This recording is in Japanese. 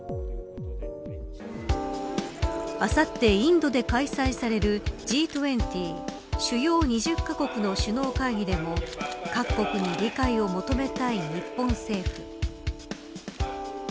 あさって、インドで開催されるＧ２０＝主要２０カ国の首脳会議でも各国に理解を求めたい日本政府。